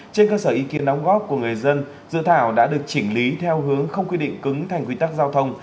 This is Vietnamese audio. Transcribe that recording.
trên đóng góp của người dân dự thảo đã được chỉnh lý theo hướng không quy định cứng thành quy tắc giao thông